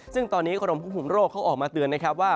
ซึ่งตอนนี้กรมคุมโรคเขาออกมาเตือนว่า